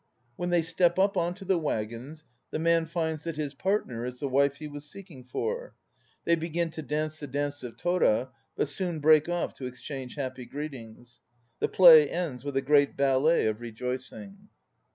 When they step up on to the waggons, the man finds that his partner is the wife he was seeking for. They begin to dance the "Dance of Tora," but soon break off to exchange happy greetings. The plays ends with a great ballet of rejoicing.